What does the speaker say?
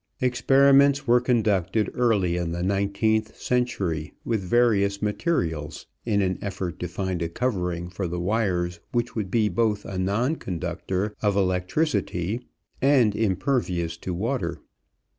Experiments were conducted early in the nineteenth century with various materials in an effort to find a covering for the wires which would be both a non conductor of electricity and impervious to water.